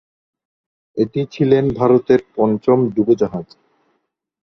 এটি ছিলেন ভারতের পঞ্চম ডুবোজাহাজ।